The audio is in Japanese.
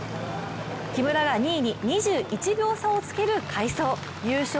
木村が２位に２１秒差をつける大勝。